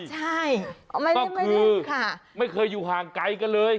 ใช่ก็คือไม่เคยอยู่ห่างไกลกันเลย